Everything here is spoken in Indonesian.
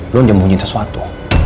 lo udah nyembunyi sesuatu